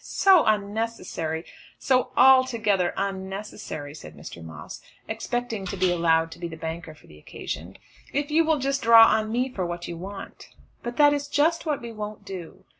"So unnecessary, so altogether unnecessary," said Mr. Moss, expecting to be allowed to be the banker for the occasion. "If you will just draw on me for what you want." "But that is just what we won't do."